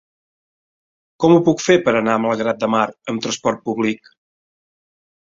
Com ho puc fer per anar a Malgrat de Mar amb trasport públic?